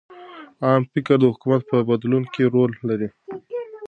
عامه افکار د حکومت په بدلون کې رول لري.